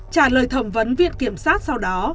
trả lời thẩm vấn viện kiểm soát sau đó